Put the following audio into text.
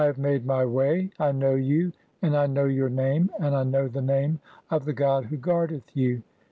have made [my] way. (36) I know you, and I know your "name, and I know the name of the god (37) who guardeth "you.